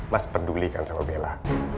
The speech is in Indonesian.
mas peduli kan sama bella